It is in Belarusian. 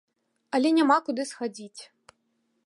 Але няма куды схадзіць.